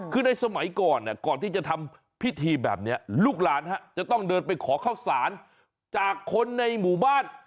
คือในสมัยก่อนก่อนที่จะทำพิธีแบบนี้ลูกหลานจะต้องเดินไปขอข้าวสารจากคนในหมู่บ้าน